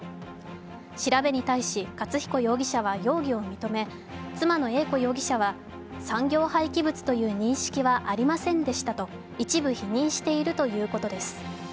調べに対し、勝彦容疑者は容疑を認め、妻の英子容疑者は産業廃棄物という認識はありませんでしたと一部否認しているということです。